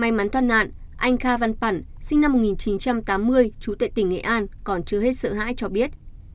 may mắn toàn nạn anh kha văn phẳn sinh năm một nghìn chín trăm tám mươi chú tại tỉnh nghệ an còn chưa hết sợ hãi cho biết